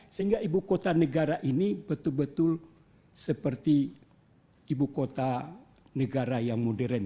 sehingga ibu kota negara ini betul betul seperti ibu kota negara yang modern